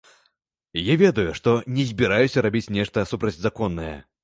Я ведаю, што не збіраюся рабіць нешта супрацьзаконнае.